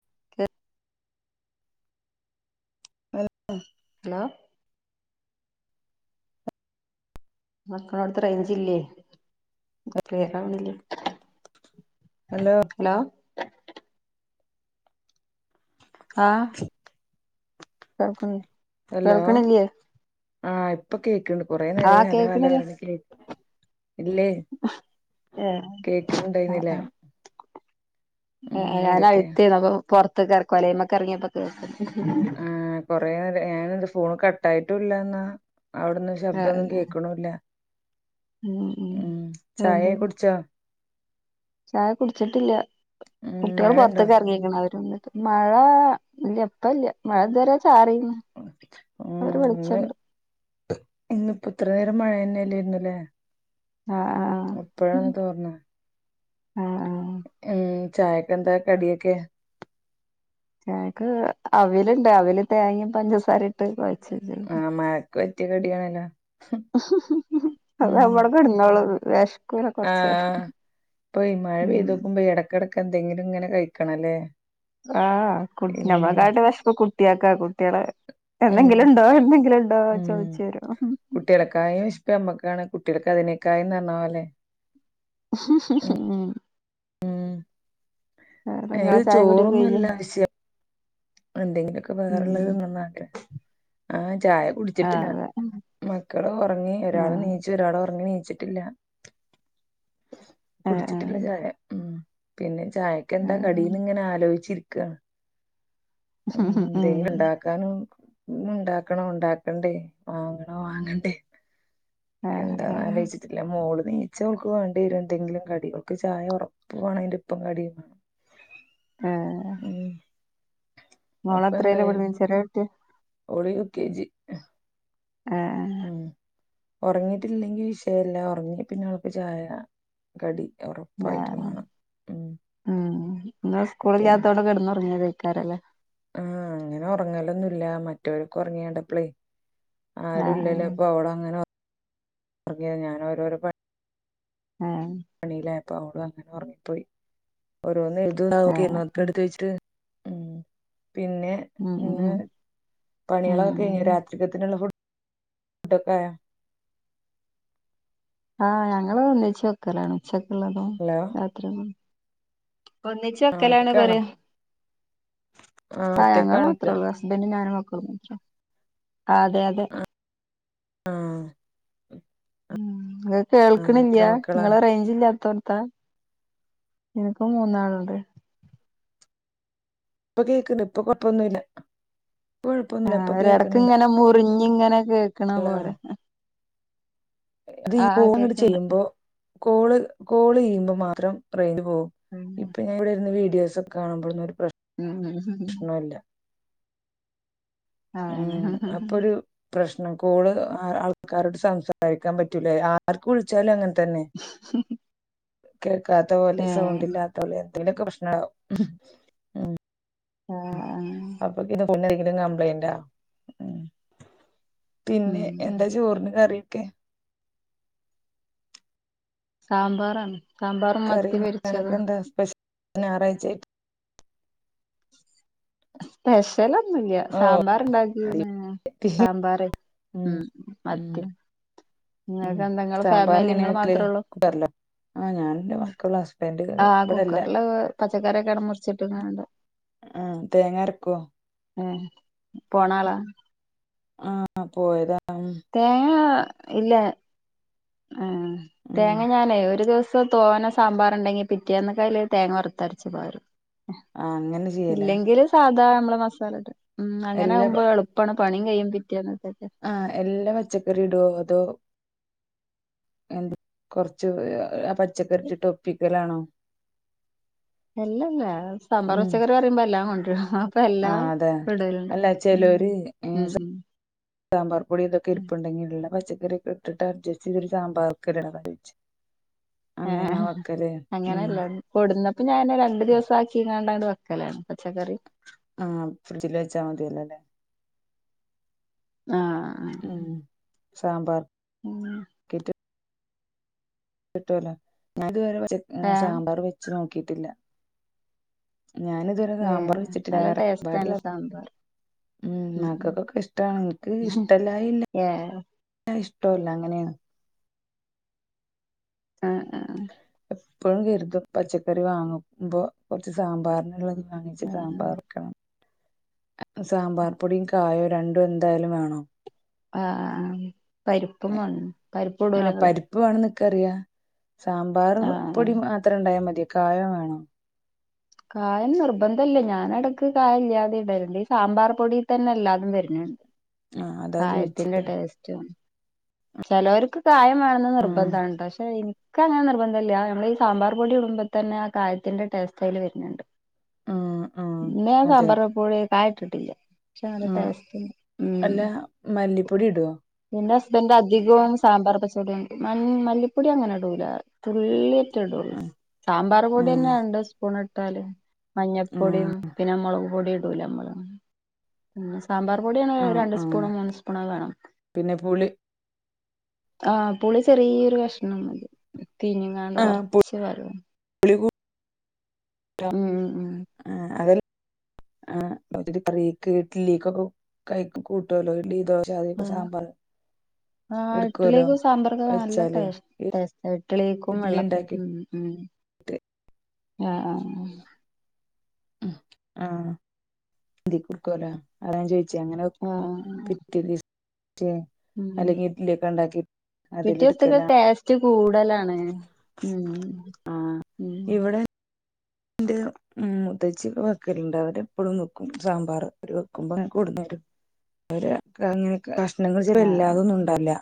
[unintelligible] Hello hello [unintelligible] അവിട്ത്ത റേഞ്ചില്ലേ [unintelligible] hello ആ കേക്ക hello കേൾക്കണില്ലേ ആഹ് ഇപ്പ കേൾക്ക്ണ് കൊറെേ നേരായി ആഹ് ഹലോ ഹലോ കേക്കണില്ലേ എന്ന് കേ ഇല്ലേ ഏഹ് കേക്കുന്നുണ്ടായിന്നുല്ല ആ ആ ഞാൻ രാവിലെ [unintelligible] ആ കൊറെ നേരം ഞാൻ എന്ത് ഫോണ് കട്ടായിട്ടുല്ലന്നാ അവിടന്നും ശബ്തൊന്നും ആഹ് കേക്കണുല്ല ഉം ചായ എന്ത് കുടിച്ചോ ചായ കുടിച്ചിട്ടില്ല ഉം കുട്ടികൾ മഴണ്ടോ പുറത്തൊക്കെ ഇറങ്ങിരിക്കണ് അവരന്നിട്ട് മഴ ഇല്ല എപ്പല്ല മഴ ട്ടാറിന്ന് ഉം അവര് ഇന്ന് വിളിച്ചിണ്ട് എവിടെ മഴന്നെല്ലേന്നല്ലേ ആഹ് ആഹ് എപ്പഴാന്ന് തോർന്ന ആഹ് ആഹ് ഉം ചായൊക്കെന്താ കടിയൊക്കെ എക്ക് അവൽലുണ്ട് അവൽ തേങ്ങെം പഞ്ചസാര ഇട്ട് വെച്ച്ണ്. ആ മാക്ക് പറ്റിയ കടിയണല്ലോ അതെ അവിടെ [unintelligible] വിഷക്കെല്ലാ കൊറച്ചേരം ഇപ്പൊ ഈ മഴ പെയ്തോക്കുമ്പോ ഇടക്കിടക്ക് എന്തെങ്കിലും ഇങ്ങനെ കഴിക്കണ ല്ലേ ആഹ് കുട്ടി നമ്മക്കാട്ടി വിശപ്പ് കുട്ടിയക്കാ കുട്ടിളേ ഉം എന്തെങ്കിലുണ്ടോ എന്തെങ്കിലുണ്ടോ ഉം ചോയിച്ചു വരും കുട്ടികൾക്കായും വിശപ്പ് നമ്മക്കാണ് കുട്ടികൾക്ക് അതിനെകായും പറഞ്ഞ പോലെ ഉം വേറെ നിങ്ങളെ ത് ചായ കുടിയൊക്കെ കഴിഞ്ഞോ ചോറൊന്നുല്ല ആശ്യം എന്തെങ്കിലുക്കെ വേറളേ ഉം നിന്നാണ്ടേ ആഹ് ചായ കുടിച്ചിട്ടില്ലാ അതെ മക്കള് ഉറങ്ങി ഒരാള് ആഹ് നീച്ചു ഒരാള് ഉറങ്ങി നീ ചിട്ടില്ല ആഹ് കുടിച്ചിട്ടില്ല ചായ ഉമ് പിന്നെ ചായക്കെന്താ ആഹ് കടീന്ന്ങ്ങനെ ആലോയ്ച്ചിര്ക്കാ ഉം ഉം എന്തേലുണ്ടാക്കാനും ഉം ഇണ്ടാക്കണോ ഇണ്ടാക്കണ്ടേ വാങ്ങണോ വാങ്ങണ്ടേ ആഹ് എന്താന്നാലോയ്ച്ചിട്ടില്ലാ മോള് നീച്ചാ ഓൾക്ക് വാണ്ടിയെരും എന്തെങ്കിലും കടി ഓൾക്ക് ചായ ഒറപ്പ് വാണം അയിന്റെപ്പം കടിം വാണം ആഹ് മോളെത്രയിലാ അപ്പന്തായി പഠിക്കണെ ചെറിയ കുട്ടിയാ ഓള് യു കെ ജി ആഹ്‌ ഒറങ്ങിട്ടില്ലെങ്കി വിഷയല്ല ഒറങ്ങി പിന്നെ ഓൾക്ക് ചായ കടി ആഹ് ഉറപ്പായിട്ടും ആഹ് വേണം ഉം ഉം നാളെ സ്കൂള് പിന്നെ ഇല്ലാത്തോണ്ട് കെടന്നൊറ്ങ്ങിയേതാക്കാരല്ലേ ആഹ് അങ്ങനെ ഒറങ്ങലൊന്നുല്ലാ മറ്റോലൊക്കെ ഒറങ്ങിയാണ്ടപ്പളേ ആരും ആഹ് ഇല്ലല്ലേ അപ്പൊ അവടെ അങ്ങനെ ഞാനോരോരോ പ ആഹ് അപ്പൊ അവള് അങ്ങനെ ഒർ ങ്ങിപ്പോയി ഓരോന്ന് ആഹ് ആഹ് [unintelligible] എടുത്ത് വെച്ചിട്ട് ഉം പിന്നെ ഉം ഇന്ന് ഉം പണിയളൊക്കഴിഞ്ഞോ ഉം രാത്രികത്തിന്ള്ള ഫു ഡക്കായോ ആഹ് ഞങ്ങള് ഒന്നിച്ച് വെക്കലാണ് ഉച്ചക്ക്ള്ളതും ഹലോ രാത്രി [unintelligible] ഒന്നിച്ച് ആ വെക്കലാണ് ഒറ്റക്കാണോ പറയ് ആ ആഹ് ഞങ്ങള് ഒറ്റക്കാണോയ്ക്ക മാത്രോള്ളൂ ഹസ്ബൻഡും ഞാനും മ ഒന്നിച് അതെ അതെ ആ ഉം ഇങ്ങള് എത്ര കേൾക്ക്ണില്ല്യാ മക്കളാ ഇങ്ങള് റേയ്ഞ്ച് ഇല്ലാത്തോട് ത്താ ഇനക്ക് മൂന്നാള്ണ്ട് ഇപ്പ കേക്ക്ണ്ട് ഇപ്പൊ കൊഴപ്പൊന്നുല്ലാ ആഹ് ഒര് എടക്ക്ങ്ങനെ മുറിഞ്ഞ്ങ്ങനെ കേക്ക്ണ പോലെ ഇത് ഈ ആഹ് ആഹ് കോള്ങ്ങട്ട് കേക്കണ്ട് ചെയ്യ്മ്പോ കോള് കോളെയ്യ്മ്പോ മാത്രം റേയ്ഞ്ച് പോവും ഉം ഇപ്പഞ്ഞാ ഇവടെരുന്ന് വീ [unintelligible] ഒര് ഉം ഉം ആഹ് ണ് കോള് ആ ആൾക്കാരോട് സംസാരിക്കാ പറ്റുല്ല അഹ് ആര്ക്ക് വിളിച്ചാലും അങ്ങ ത്തന്നെ കേൾക്കാത്ത പോലെ ഏഹ് സൗണ്ട് ഇല്ലാത്തോലെ യ്ലൊക്കെ പ്രശ്നവും ഉം ഉം ആ ആ ങ്കിലും കംപ്ലൈൻ്റൊ ഉം പിന്നെ ഉം എന്താ ചോറിന് കറി ക്കെ സാമ്പാറാണ് സാമ്പാറും മത്തി പൊരിച്ചതും ഞാറായ്ച്ചാറ്റ് പേശലും ന്നുല്ല ഓ സാമ്പാറ്ണ്ടാക്കിക്ക്ണ് അടിപൊളി. സാമ്പാറേ ഉം ഉം മത്തി ഉം നിങ്ങൾക്ക് എന്താ നിങ്ങള് ഫാമിലി സാമ്പാറെങ്ങനെ നിങ്ങള് വെക്കല് മാത്രേ ഉള്ളൂ കുക്കർലോ ആ ഞാൻ ഇന്റെ മക്കള് ഹസ്ബൻഡ് ഇവടല്ല. പച്ചക്കറിക്കാണ്ട് മുർച്ച്ട്ട്ങ്ങാണ്ട് ഉം തേങ്ങരക്കോ ആ പോണാളാ ആ പോയതാ ഉം തേങ്ങ ഇല്ലാ ആ ഉം തേങ്ങ ഞാനേ ഒര് ദോസ് സം തോനെ സാമ്പാറ്ണ്ടെങ്കി പിറ്റേന്നക്കയ്ല് തേങ്ങ വർത്തരച്ച് പാരും ആഹ് അങ്ങനെ ചെയ്യല ഇല്ലെങ്കില് സാധാ മ്മളെ മസാലട്ട് ഉം അങ്ങനെയാകുമ്പോ എളുപ്പാണ് പണിം കയ്യും പിറ്റേന്ന് ആ എല്ലാ പച്ചക്കറി ഇടോ അതോ എന്ത് കൊർച്ച് പച്ചക്കറി ഇട്ട്ട്ട് ഒപ്പിക്കലാണോ അല്ലല്ല സാമ്പാർ ഉം പച്ചക്കറി പറയുമ്പോ എല്ലാം കൊണ്ട്രുരും പ്പഎല്ലാം ആഹ് അതെ ഇടല്ണ്ട് അല്ല ഉം ചെലോര് ഉം സാമ്പാർ പൊടി ഇതൊക്കെ ഉം ഇരുപ്പുണ്ടെങ്കി ള്ള പച്ച ക്കറിയൊക്കെ ഇട്ട്ട്ട് അട്ജസ്റ്റ് ചെയ്തൊരു സാമ്പാർക്ക [unintelligible] ആ ആ അങ്ങനെള്ളത് കൊട്ന്നപ്പോ ഞാൻ രണ്ട് ദിവസാക്കിങ്ങാണ്ട് അണ്ട് വെക്ക ക്കലാണ് പച്ചക്കറി ആഹ് ഫ്രിഡ്ജിൽ [unintelligible] ആ ഉം സാമ്പാർ കിട്ടുലോ ഞാൻ [unintelligible] ആഹ് സാമ്പാറ് വെച്ച് നോക്കിട്ടില്ല ഞാന് ഇതു വരെ ഏഹ് സാമ്പാറ് നല്ല ടേസ്റ്റാണ് വെച്ച്ട്ടില്ല സാമ്പാർ [unintelligible] ഉം മക്കൊക്കൊക്കെ ഇഷ്ടാണ് ഇൻക്ക് ഇഷ്ടല്ലായില്ല ഏഹ് ട്ടുല്ല അങ്ങനെണ്. ആഹ് ആഹ് എപ്പളും കെര്തും പച്ചക്കറി വാങ്ങു മ്പോ കോർച്ച് സാമ്പാറ്ന്ള്ളെ വാങ്ങിച്ച് ആഹ് സാമ്പാറ് ക്കണം. അപ്പം സാമ്പാർ പൊടിം കായോ രണ്ടും എന്തായാലും വേണോ? ആഹ് പരിപ്പും വാണം പരിപ്പ് ഇടൂലെ ഇങ്ങള് ക്കറിയാ സാമ്പാറ് ആഹ് പൊടി മാത്രം ഇണ്ടായ മതിയോ കായം വേണോ? കായം നിർബന്ധല്ല ഞാനെടെക്ക് കായ ഇല്ലാതെ ഇടല്ണ്ട് ഈ സാമ്പാറ് പൊടി തന്നെ എല്ലാതും വെര്ന്ണ്ട് ആ അതാ കായത്തിന്റെ ചോയിച്ചേ ടേസ്റ്റും ചിലൊർക്ക് കായം വേണെന്ന് ഉം നിർബന്ധണ്ട്ടൊ ക്ഷെ ഇൻക്ക് അങ്ങനെ നിർബന്ധം ഇല്ല നമ്മളെ ഈ സാമ്പാറ് പൊടി ഇടുമ്പ ത ന്നെ ആ കായത്തിന്റെ ടേസ്റ്റ് അയ്ല് വെരു ണ്ട് ഉം ഉം ഇന്ന് അതെ സാമ്പാറ് വെപ്പോടെ കായം ഇട്ടിട്ടില്ല. ച്ചാ നല്ല ഉം ടെസ്റ്റ്ണ്ട് ഉം അല്ല മല്ലിപ്പൊടി ഇടോ പിന്നെ ഇപ്പ എന്റെ അധികും സാമ്പാറ് പച്ച പൊടിയ മല്ലിപ്പൊടി അങ്ങനെ ഇടൂല തുള്ളി റ്റെ ഇടുള്ളൂ ഉം സാമ്പാറ് ഉം പൊടിന്നെ രണ്ട് സ്പൂണ് ഇട്ടാല് മഞ്ഞപ്പൊടിം, ഉം പിന്നെ മോളക് പൊടിം ഇടൂല അമ്മള് സാമ്പാറ് പൊടിയാണ് ആ രണ്ട് ആ സ്പൂണും മൂന്ന് സ്പൂണും വേണം. പിന്നെ പുളി ആഹ് പുളി ചെറീയൊരു കഷ്ണം മതി. പീഞ്ങ്ങാണ്ട് ആ കൊർച്ച് പാരോള്ളു പുളി കൂ ഉം ഉം ആഹ് കറിക്ക് ഇഡ്ലിക്ക് കഴി കൂട്ടൊല്ലോ ഇഡ്ലി ദോ അതിപ്പോ സാമ്പാറ് ആഹ് ഇഡ്ലിക്കും സാമ്പാർക്കുക് നല്ല വെച്ചാല് ഡെസ് ടേസ്റ്റാ, ഇഡലിക്കും ഇഡ്ലി വെള്ള [unintelligible] ഉം ഉണ്ടാക്കിട്ട് ഉം. ആഹ് ആഹ് ആഹ് [unintelligible] അഹ് [unintelligible] ച്ചേ അങ്ങനെ വെ [unintelligible] ആഹ് പിറ്റേ ദി. ഉം ഉണ്ടാക്കി പിറ്റേ സ്തക്ക് അതിലെടുക്കലാണ് ടേസ്റ്റ്. കൂടലാണ് ഉം ആ ഉം ഇവിടെ എന്റെ മുത്തച്ചി വെക്കല്ണ്ട്, അവിടെ എപ്പളും വെക്കും സാമ്പാർ ഓര് വെക്കുമ്പോ ഞങ്ങള്ക്ക് കൊടന്ന അവര് ഇങ്ങനെ കഷ്ണങ്ങൾ വെ ആഹ് ല്ലാതൊന്നും ഉണ്ടാവലില്ല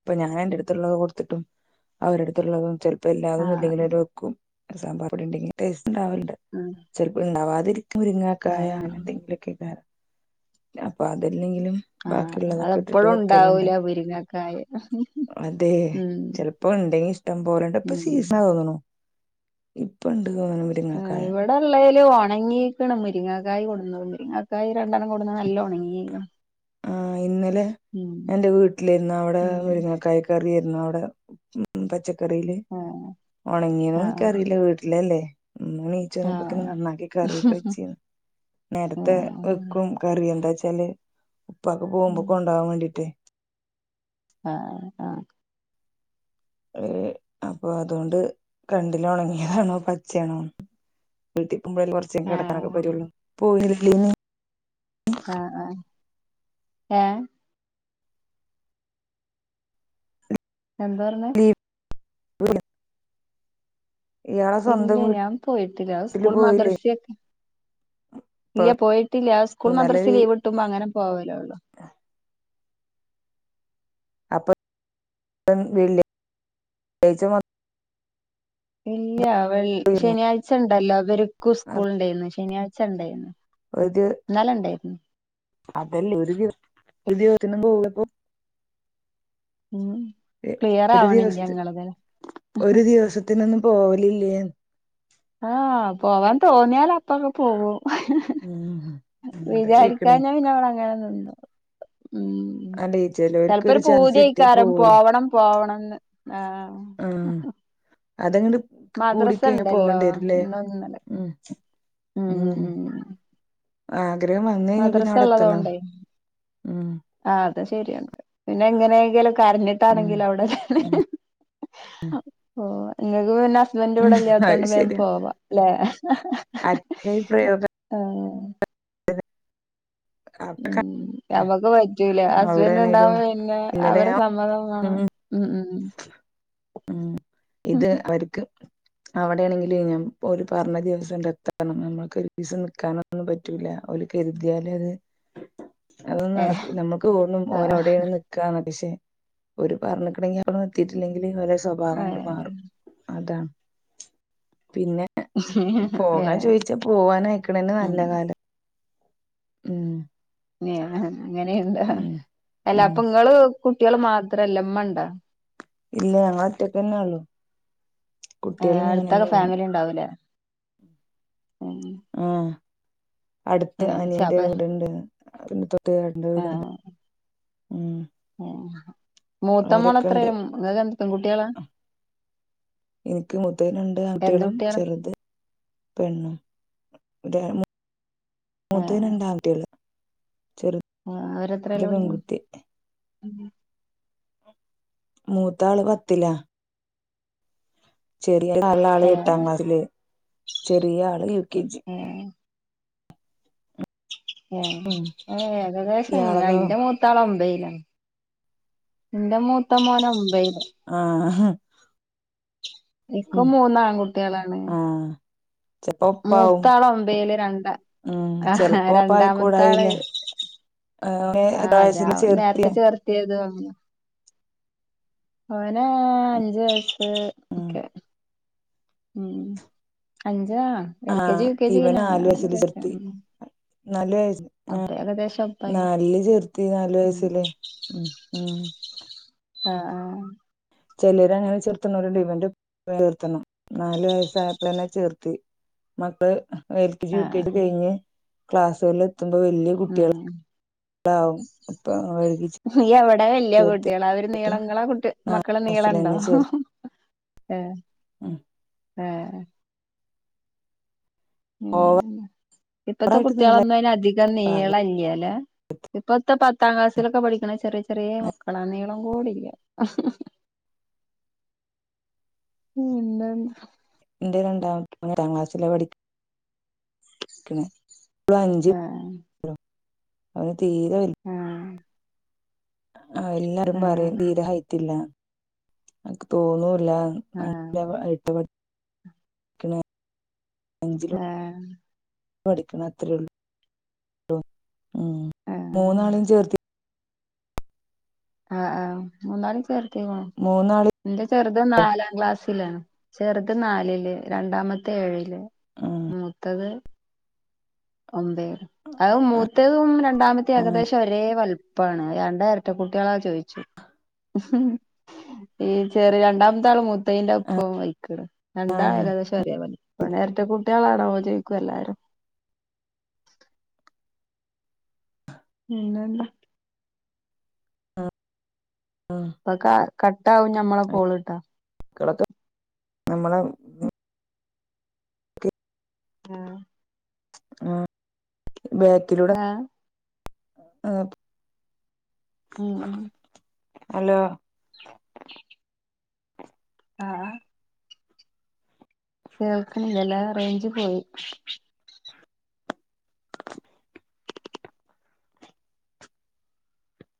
അപ്പൊ ഞാൻ എന്റെ അടുത്തുള്ളത് കൊടുത്തിട്ടും. അവര അടുത്തുള്ളതും ചെൽപ്പോ എല്ലാതൊന്നും ആഹ് ഇല്ലെങ്കിലും അവര് വെക്കും. സാമ്പർ പൊടി ഇണ്ടെങ്കി ടേസ്റ്റ് ഇ ണ്ടാവലണ്ട് ഉം ചെൽപ്പ ഇണ്ടാവാ മുരിങ്ങാക്കായ അങ്ങനെ ആഹ് എന്തെങ്കിലൊക്കെ അപ്പൊ അത്. ഇല്ലെങ്കിലും ആഹ് ബാക്കിയുള്ളതൊക്കെ ഇട്ടിട്ട് അതെപ്പഴും വെക്കല്ണ്ട്. ഉണ്ടാവൂല മുരിങ്ങക്കായ് അതെ ഉം ചെൽപ്പോ ഉണ്ടെങ്കി ഇഷ്ടം പോലണ്ട് ഇപ്പ ഉം സീസണാ തോന്നണു. ഇപ്പണ്ട് തോന്ന്ണു മുരിങ്ങാക്കായ. ത്, ഒണങ്ങീക്ക്‌ണ് മുര്ങ്ങക്കായ്, കൊട്ന്നത്. മുരിങ്ങക്കായി രണ്ടെണ്ണം കൊട്ന്നത് നല്ലം ഒണ്ങ്ങീ ക്ക്ണ്. ആ, ഇന്നലെ എന്റെ, വീട്ടിലെയ്ര്ന്നവ്ടെ ഉം മുര്ങ്ങക്കായ ക്കറി ന്നവടെ, ഉം, പച്ചക്കറീല് ആഹ് ഒണ് ങ്ങീണോ ആഹ് ൻക്കറീല്ല വീട്ടിലല്ലേ. ഇമ്മ നീച്ചതാന്നോപ്പൊക്കിന് ആഹ് ന്നാക്കിക്കറിയൊക്കെച്ച് നേരത്തെ ആഹ് വെക്കും കറി എന്താച്ചാല്, ഉപ്പാക്ക്‌ പോകുമ്പൊ കൊണ്ടാവാൻ വേണ്ടീട്ട്. ആഹ, ആഹ. ഏഹ് അപ്പൊ അതോണ്ട്, കണ്ടില, ഓണങ്ങിയേതാണൊ, പച്ചേണൊന്ന്, വീട്ട [unintelligible] കിടക്കാനൊക്കെ, ആഹ് പരുള്ളൂ, പോ [unintelligible] ഏ. എന്താറഞ്ഞെ. [unintelligible] സ്വന്തം ഇല്ലെയ്‌, ഞാൻ പോയിട്ടില്ല, അത്, വീട്ടില് സ്കൂളും പോയില്ലേ മദ്രസിയെ ഇപ്പൊ ഇല്ല, പോയിട്ടില്ല. അ സ്കൂളും, ഇന്നലെ മദ്രസെം ലീവ്ട്ട്മ്പോ അങ്ങനെ പോവലൊള്ളു. അപ്പ [unintelligible] ഇല്ല വെള്ള് ശനിയാഴ്ചണ്ടല്ലോ, വര്ക്ക്‌ സ്കൂൾണ്ടേയ്ന്ന് ശനിയാഴ്ച ണ്ടായിന്നു. ന്നലെ ണ്ടേയ് അതെല്ലേ, ഒരു ദിവ പോണപ്പൊ ഉം എ, ക്ലിയർ ആവണില്ല ഒരുദിവസ്ത്തിന് ഇങ്ങളത് ഒരു ദിവസത്തിനൊന്നും പോവലില്ലേന്ന്. ആഹ്, പോവാൻ തോന്നിയാല് അപ്പൊങ്ങ് പോവും. ഉം അതാ ചോയിക്കണേ വിചാരിക്കാന്നാ, പിന്ന മ്മള് അങ്ങനെങ്ങ് നിന്ന് ഉം, അല്ലെ ചെലോർക്ക് ചിലപ്പോരു ഒരു ചാൻസ് പൂതി കിട്ടിയ ഏയ്ക്കാരം പോവല്ലോ പോവണം, പോവണംന്ന് ആ. ആഹ് അതങ്ങട്ട് കൂടിക്കഴിഞ്ഞ ഉണ്ടല്ലോ പോവണ്ടി വരുംല്ലേ. ഇന്നും ഇന്നലെ ഉം. ഉം ആഗ്രഹം വന്ന് കഴിഞ്ഞാ പിന്നെ അവിടെ എത്തണം മദ്രസള്ളതോണ്ടേ ഉം ആ അത് ശരിയ പിന്നെ എങ്ങനെയങ്കിലൊ ഉം കര്ഞ്ഞിട്ടാണെങ്കിലും അവിടെ തന്നെ, പോവാ ഇങ്ങക്ക് പിന്നെ ഹസ്ബൻഡ് ഉം അത് വടെല്ലാത്തോണ്ട് വേം, ശരിയാ പോവ. അച്ഛന്റെ ഈ പ്രയോഗം [unintelligible] അ [unintelligible] നമ്മക്ക് പറ്റൂലാ ഹസ്ബൻഡ് ണ്ടാവുമ്പോ പിന്നെ ഇന്നലെ അവരെ ഞാൻ സമ്മതം വേണം, ഉം, ഉം. ഉം ഇത് അവര്ക്ക്. അവിടെയാണെങ്കിലും ഓര് പറഞ്ഞെ ദിവസം ണ്ടെത്തണം, നമ്മക്ക് ഒരീസം നിക്കാനൊന്നും പറ്റൂല കരുതിയാലര് അതൊന്നും, ഏഹ് നടക്കൂല. നമ്മക്ക്, തോന്നും, ഓല് ആഹ് അവ്ടാണ് നിക്കാണ്, ശെ ഓര്, പറഞ്ഞുക്ക്‌ണെങ്കി, മ്മള് എത്തീട്ടില്ലെങ്കി ഓരെ സ്വഭാവംങ്ങട്ട് മാറും, അതാണ്. പിന്നെ, ഏഹ് പോകാൻ ഏഹ് ചോയിച്ചാ പോവാനയിക്ക്ണന്നെ, നല്ല ഉം കാലം ഉം. [unintelligible] ങ്ങനെയുണ്ടോ, ഉം അല്ല, ഉം പ്പങ്ങള് കുട്ടിയാൾ മാത്രല്ല, മ്മണ്ട ഇല്ലേ, ഞങ്ങള് ഒറ്റക്കെന്നെയള്ളു. ഏ, അടുത്തൊക്കെ, ഫാമിലി ണ്ടാവൂലേ. ആഹ്. അടുത്ത്, ഉം ചെ അനിയന്റെ, അപ്പ വീടുണ്ട്, പിന്നെ [unintelligible] ഏട്ടന്റെ, വീട്ണ്ട്, ആം. ഉം, മൂത്തമോളെത്രെ, ഉണ്ട് ങ്ങൾക്ക്, എത്രഎം, കുട്ടിയാള. എനിക്ക്, മുത്തത്, രണ്ട്, ആൺകുട്ടിയാളും, കുട്ടികളാ ചെറുത് പെണ്ണും. ന്റെ മു തത് രണ്ടാകുട്ടികൾ ആ അവരെത്രേലാ പഠിക്കുന്നത് പെൺകുട്ടി മൂത്താള് പത്തിലാ ചെറിയ [inaudible] എട്ടാം ഏഹ് ക്ലാസ്സില് ചെറിയ ആള് എ [inaudible] ഏ ഉം ഏ ഏകദേശം ഇയാളതോ അയിന്റെ മൂത്താള ഓംപത്തില് എന്റെ മൂത്ത മോന ഒമ്പൈല് ആഹാ ഇക്ക് മൂന്നാആൺകുട്ടികളാണ് ആഹ് ചെലപ്പോ ഒപ്പാവും മൂത്താള ഒമ്പയില് രണ്ടാ ഉം ആ ഹാ ചെലപ്പോ രണ്ടാമതാള് ഒപ്പായിക്കൂടായില്ല ഓനെ ആ എത്ര അതാ വയസ്സില് നേരത്തെ ചേർത്തിയെ ചേർത്തിയതും ഓനാ അഞ്ച് വയസ് ഉം ഒക്കെ ഉം അ ജാ എൽ കെ ആഹ് ജി യു കെ ജി അങ്ങനെ അങ്ങനെ ചേ നല്ല ആ നല്ല് ചേർത്തി നല്ു വയസില് ഉ ഉ ആ ആ ചെല്ലരങ്ങനെ ചേർത്തനൊരുണ്ട് [unintelligible] ചേർത്തണം നാലു വയസ്സായപ്പോന്നെ ചേർത്തി [inaudible] എൽ ക്കെ ജി ആഹ് യു കെ ജി ആഹ് കഴിഞ്ഞ് ക്ലാസ്സുകളിൽ എത്തുമ്പോ വല്യയാ കുട്ടികൾ ഉം ഇപ്പഴ [unintelligible] എ വല്യയാ കുട്ടികള അവര് നീളങ്ങളാ ങ്ങളെ കുട്ടി നാല് മക്കൾ നീളണ്ടോ ഏ ആ എ [inaudible] ഇപ്പത്തെ ഓവറായിട്ട് നീള കുട്ടികളൊന്നും അ അധികം പാക നീളല്ലല്ല ഇപ്പത്തെ പ്പാ പത്താം ക്ലാസ്സിലൊക്കെ പഠിക്കണ ചെറിയ ചെറിയ മക്കളാ നീളം കൂടില്ല ഉം എന്തണ് എന്റെ രണ്ടാമത്തൊ ക്ലാസ്സില പഠിക്കാ അഞ്ച് ആഹ് അവന് തീര വല്ല ആ എല്ലാരും ആഹ് പറയും ആഹ് തീരെഹയിട്ടില്ല അക്ക് തോന്നു ആഹ് [inaudible] ഹേ പഠിക്കണ അത്രേയള്ളു ഉം ആഹ് മൂന്നാളും ചേർത്തി ആ ആഹ് മൂന്നാളീം ചേർത്തികുണു മൂന്നാളെ ന്റെ ചെറുത് നാലാം ക്ലാസ്സിലാണ് ചെറുത് നാലില് രണ്ടാമത്തെ ഏഴില് ഉം മൂത്തത് ഒമ്പഅത മൂത്തേതും രണ്ടാമത്തെ ആഹ് ഏകദേശം ഒരേ വത്ം പ്പാണ് രണ്ടരറ്റക്കുട്ടികളാ ചോയിച്ചു ഈ ചെറിയ രണ്ടാമത്തെ ആള് മുത്തയിൻറെ ഒപ്പം വലി ക്ണ് ആഹ് രണ്ടാളെകദേശം ഒരേപൊലി ഒന് എരട്ടകുട്ടിളാണോ ന്ന് ചോയിക്കു ല്ലാരും പിന്നെന്താ ഉം പ്പൊ ക കട്ടആാവും ഞമ്മളെ കോൾട്ടാ കിടക്ക നമ്മളെ ആഹ് ആഹ് ബേക്കിലൂടെ ആഹ് ആഹ് ഉം ഉം ഹലോ ആഹ് അഹ് കേൾക്കണില്ലല്ലാ റേഞ്ച് പോയി